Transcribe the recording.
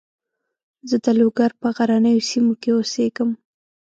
زه د لوګر په غرنیو سیمو کې اوسېږم.